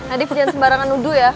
nadif jangan sembarangan uduh ya